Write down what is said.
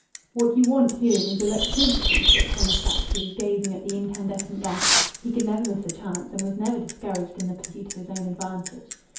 "What you want here is electricity," said Thomas Batchgrew, gazing at the incandescent gas; he could never miss a chance, and was never discouraged in the pursuit of his own advantage.